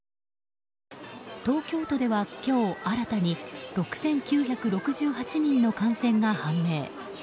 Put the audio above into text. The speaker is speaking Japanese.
東京都では今日新たに６９６８人の感染が判明。